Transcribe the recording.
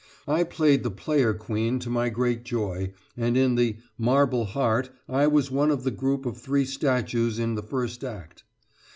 I played the Player Queen to my great joy, and in the "Marble Heart" I was one of the group of three statues in the first act.